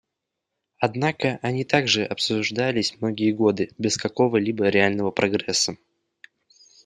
Однако они также обсуждались многие годы без какого-либо реального прогресса.